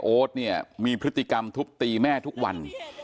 เนี่ยมีพฤติกรรมทุบตีแม่ทุกวัน